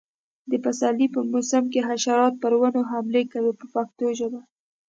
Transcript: د پسرلي په موسم کې حشرات پر ونو حملې کوي په پښتو ژبه.